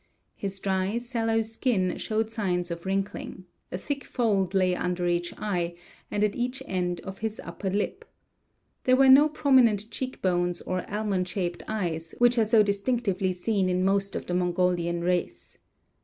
His dry, sallow skin showed signs of wrinkling; a thick fold lay under each eye, and at each end of his upper lip. There were no prominent cheek bones or almond shaped eyes, which are so distinctively seen in most of the Mongolian race.